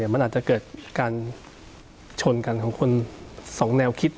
มันอาจจะเกิดการชนกันของคนสองแนวคิด